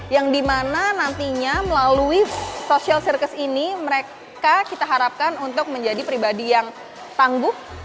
yang dimana nantinya melalui social circus ini mereka kita harapkan untuk menjadi pribadi yang tangguh